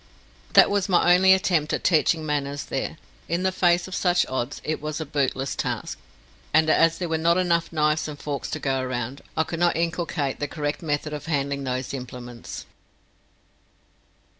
That was my only attempt at teaching manners there. In the face of such odds it was a bootless task, and as there were not enough knives and forks to go round, I could not inculcate the correct method of handling those implements.